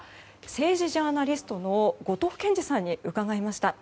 政治ジャーナリストの後藤謙次さんに伺いました。